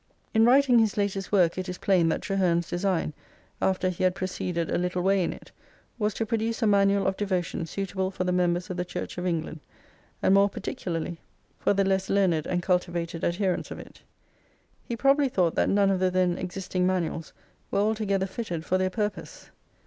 In writing his latest work it is plain that Traherne's design after he had proceeded a little way in it,* was to produce a manual of devotion suitable for the mem bers of the Church of England, and more particuTarTy Zlll for the less learned and cultivated adherents of it. He probably thought that none of the then existing manuals were altogether fitted for their purpose.